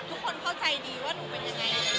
ทุกคนเข้าใจดีว่าหนูเป็นยังไง